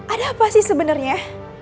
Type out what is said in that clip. ada apa sih sebenernya